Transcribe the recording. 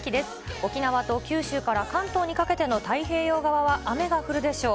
沖縄と九州から関東にかけての太平洋側は雨が降るでしょう。